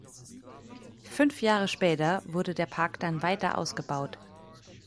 Fünf Jahre später wurde der Park dann weiter ausgebaut.